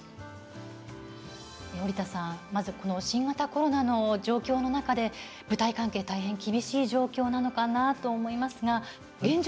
織田さん、まずこの新型コロナの状況の中で舞台関係、大変厳しい状況なのかなと思いますが現状